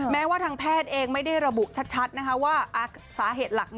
แม้ว่าทางแพทย์เองไม่ได้ระบุชัดว่าสาเหตุหลัก